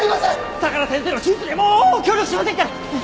相良先生の手術にはもう協力しませんから！